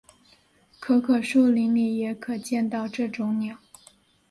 可可树林里也可见到这种鸟。